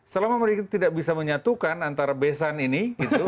selama mereka tidak bisa menyatukan antara besan ini